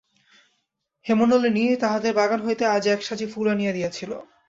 হেমনলিনী তাহাদের বাগান হইতে আজ এক সাজি ফুল আনিয়া দিয়াছিল।